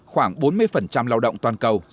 khoảng bốn mươi lao động toàn cầu